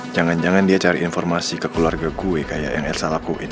jangan jangan dia cari informasi ke keluarga gue kayak yang ersa lakuin